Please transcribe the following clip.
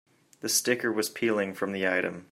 The sticker was peeling from the item.